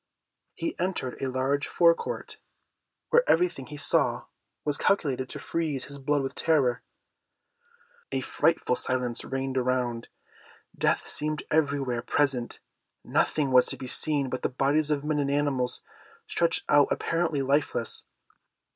He entered a large fore court, where everything he saw was calculated to freeze his blood with terror. A frightful silence reigned around. Death seemed everywhere present. Nothing was to be seen but the bodies of men and animals stretched out apparently lifeless.